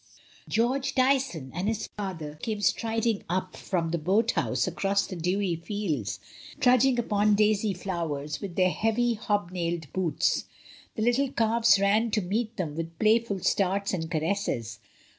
George Tyson and his father came striding up fix>m the boat house across the dewy fields, trudging upon daisy flowers with their heavy, hobnailed boots; the little calves ran to meet them with playful starts and caresses.